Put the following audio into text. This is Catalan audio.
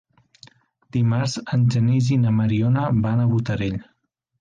Dimarts en Genís i na Mariona van a Botarell.